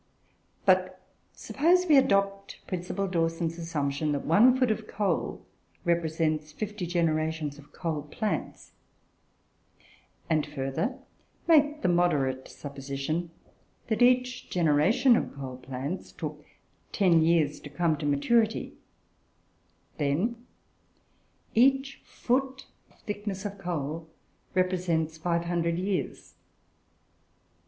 But, suppose we adopt Principal Dawson's assumption, that one foot of coal represents fifty generations of coal plants; and, further, make the moderate supposition that each generation of coal plants took ten years to come to maturity then, each foot thickness of coal represents five hundred years.